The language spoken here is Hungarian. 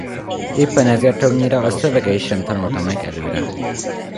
Éppen ezért többnyire a szövegeit sem tanulta meg előre.